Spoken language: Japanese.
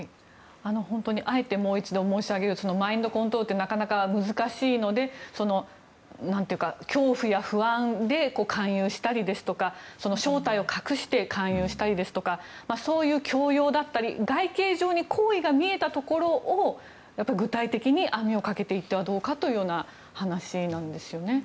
本当にあえてもう一度申し上げるとマインドコントロールってなかなか難しいので恐怖や不安で勧誘したりですとか正体を隠して勧誘したりですとかそういう強要だったり外形上に行為が見えたところを具体的に網をかけていってはどうかという話なんですよね。